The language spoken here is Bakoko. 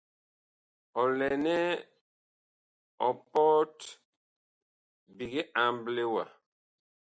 Ɔ lɛ nɛ ɔ pɔt biig amble wa.